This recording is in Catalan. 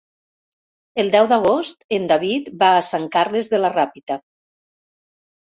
El deu d'agost en David va a Sant Carles de la Ràpita.